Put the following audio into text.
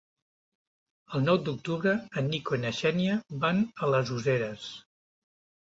El nou d'octubre en Nico i na Xènia van a les Useres.